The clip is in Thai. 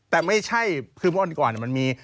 แต่ไม่ใช่คือวันก่อนมันมี